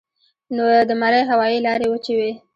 نو د مرۍ هوائي لارې وچې وي